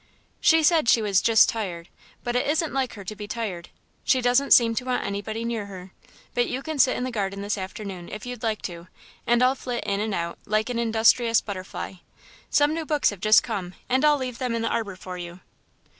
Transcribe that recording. "She said she was 'just tired' but it isn't like her to be tired. She doesn't seem to want anybody near her, but you can sit in the garden this afternoon, if you'd like to, and I'll flit in and out like an industrious butterfly. Some new books have just come, and I'll leave them in the arbour for you."